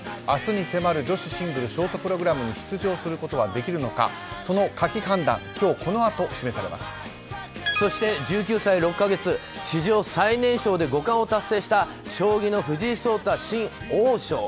明日に迫る女子シングルショートプログラムに出場することはできるのかその可否判断そして１９歳６か月史上最年少で五冠を達成した将棋の藤井聡太新王将